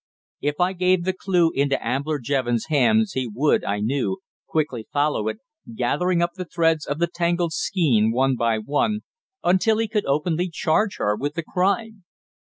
If I gave the clue into Ambler Jevons' hands he would, I knew, quickly follow it, gathering up the threads of the tangled skein one by one, until he could openly charge her with the crime.